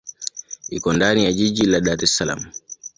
Iko ndani ya jiji la Dar es Salaam.